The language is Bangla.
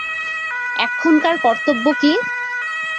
এক্ষণকার কর্তব্য কী?